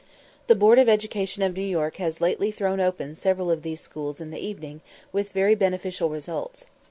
The Board of Education of New York has lately thrown open several of these schools in the evening, and with very beneficial results.